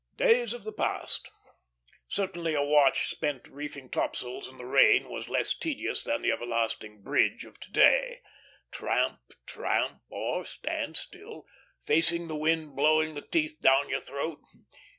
Days of the past! Certainly a watch spent reefing topsails in the rain was less tedious than that everlasting bridge of to day: Tramp! Tramp! or stand still, facing the wind blowing the teeth down your throat.